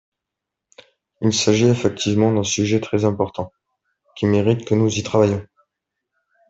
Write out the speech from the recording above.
Il s’agit effectivement d’un sujet très important, qui mérite que nous y travaillions.